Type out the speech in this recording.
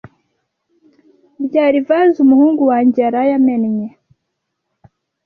Byari vase umuhungu wanjye yaraye amennye.